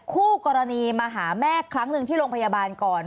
คู่กรณีมาหาแม่ครั้งหนึ่งที่โรงพยาบาลก่อน